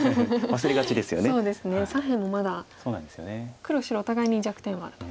そうですね左辺もまだ黒白お互いに弱点はあると。